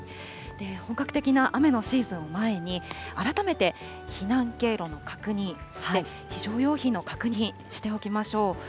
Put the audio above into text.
本格的な雨のシーズンを前に、改めて避難経路の確認、そして非常用品の確認しておきましょう。